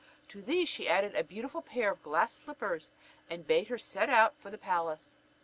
To these she added a beautiful pair of glass slippers, and bade her set out for the palace.